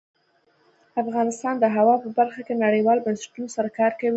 افغانستان د هوا په برخه کې نړیوالو بنسټونو سره کار کوي.